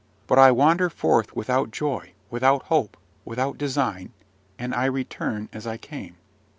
But I wander forth without joy, without hope, without design; and I return as I came.